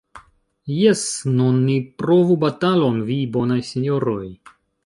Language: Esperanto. Jes, nun ni provu batalon, vi bonaj sinjoroj!